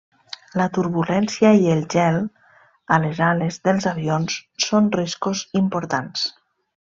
La turbulència i el gel a les ales dels avions són riscos importants.